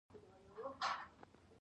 او نا امیده شي